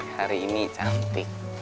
hari ini cantik